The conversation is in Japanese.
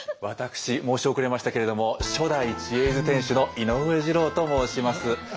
私申し遅れましたけれども初代知恵泉店主の井上二郎と申します。